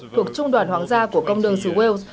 thuộc trung đoàn hoàng gia của công đường xứ wales